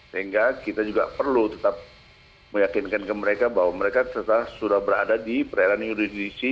sehingga kita juga perlu tetap meyakinkan ke mereka bahwa mereka sudah berada di perairan yudisi